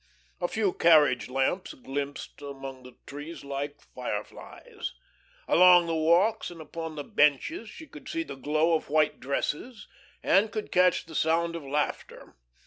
A few carriage lamps glimpsed among the trees like fireflies. Along the walks and upon the benches she could see the glow of white dresses and could catch the sound of laughter.